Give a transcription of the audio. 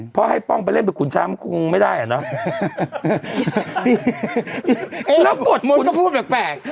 เพราะให้ป้องไปเล่นเป็นขุนช้ำคงไม่ได้อ่ะเนอะแล้วบทคุณก็พูดแปลก